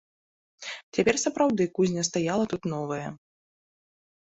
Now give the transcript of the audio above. Цяпер сапраўды кузня стаяла тут новая.